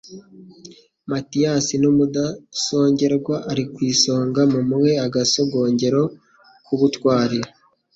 MATIYASI ni umudasongerwa ari ku isonga. Mumuhe agasogongero k' ubutwari;